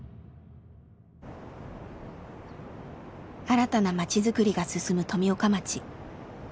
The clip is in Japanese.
新たな町づくりが進む富岡町。